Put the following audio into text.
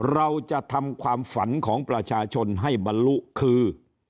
เราจะทำความฝันของประชาชนให้บรรลุคือ